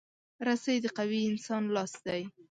رسۍ د قوي انسان لاس دی.